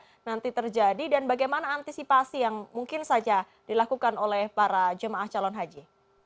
apakah nanti terjadi dan bagaimana antisipasi yang mungkin saja dilakukan oleh para jemaah calon haji